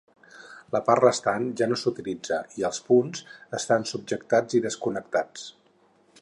La part restant ja no s'utilitza, i els punts estan subjectats i desconnectats.